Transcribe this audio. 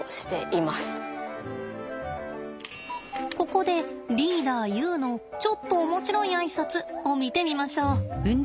ここでリーダーユウのちょっと面白いあいさつを見てみましょう。